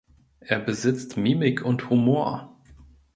Er besitzt Mimik und Humor.